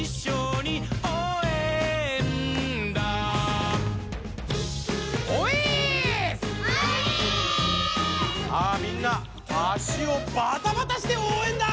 さあみんな足をバタバタしておうえんだ！